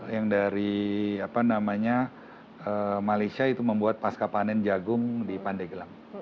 yang dari malaysia itu membuat pasca panen jagung di pandeglang